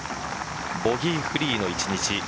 ボギーフリーの一日。